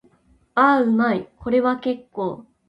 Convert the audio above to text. ああ、うまい。これは結構。